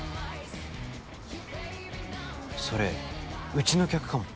それうちの客かも。